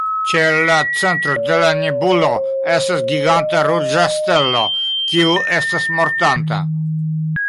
Ĉe la centro de la nebulo estas giganta ruĝa stelo, kiu estas mortanta.